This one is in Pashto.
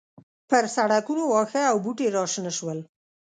پر سړکونو واښه او بوټي راشنه شول